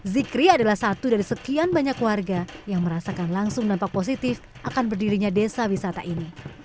zikri adalah satu dari sekian banyak warga yang merasakan langsung nampak positif akan berdirinya desa wisata ini